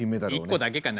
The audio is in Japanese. １個だけかな？